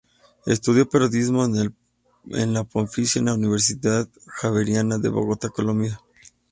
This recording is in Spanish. Estudio periodismo en la Pontificia Universidad Javeriana en Bogotá, Colombia.